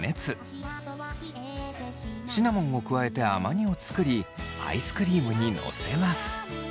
シナモンを加えて甘煮を作りアイスクリームに載せます。